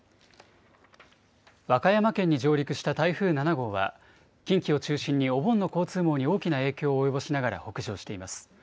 和歌山県に上陸した台風７号は、近畿を中心にお盆の交通網に大きな影響を及ぼしながら北上しています。